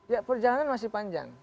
ya perjalanan masih panjang